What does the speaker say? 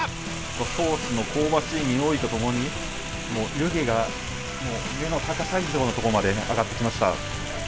ソースの香ばしいにおいとともに湯気が目の高さ以上のところまで上がってきました。